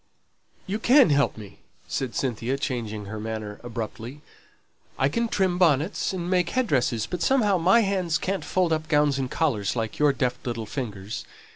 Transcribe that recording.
"You can help me," said Cynthia, changing her manner abruptly. "I can trim bonnets, and make head dresses; but somehow my hands can't fold up gowns and collars, like your deft little fingers.